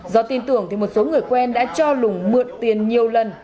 do tin tưởng thì một số người quen đã cho lùng mượn tiền nhiều lần